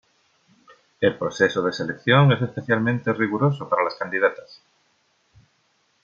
El proceso de selección es especialmente riguroso para las candidatas.